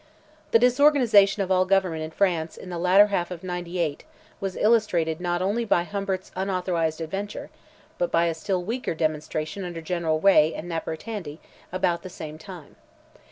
The disorganization of all government in France in the latter half of '98, was illustrated not only by Humbert's unauthorized adventure, but by a still weaker demonstration under General Reay and Napper Tandy, about the same time.